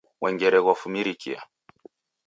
Mwengere ghwafumirikia.